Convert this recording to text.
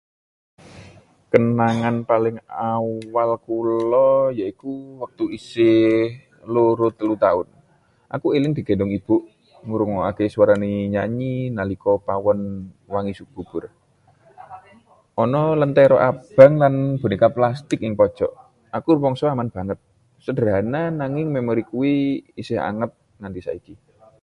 Kenangan paling awal kula yaiku wektu isih loro-telu taun. Aku eling digendong ibu, ngrungokake swarane nyanyi nalika pawon wangi bubur. Ana lentera abang lan boneka plastik ing pojok; aku rumangsa aman banget. Sederhana, nanging memori kuwi isih anget nganti saiki.